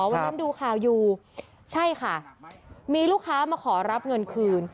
วันนั้นดูข่าวอยู่ใช่ค่ะมีลูกค้ามาขอรับเงินคืน